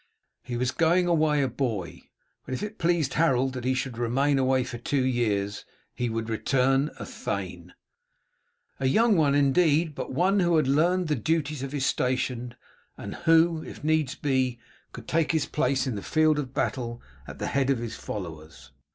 He was going away a boy, but if it pleased Harold that he should remain away for two years he would return a thane. A young one, indeed, but one who had learned the duties of his station, and who, if needs be, could take his place in the field of battle at the head of his followers.